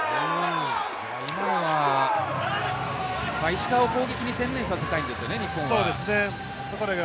今のは石川を攻撃に専念させたいんですよね、日本は。